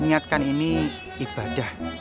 ingatkan ini ibadah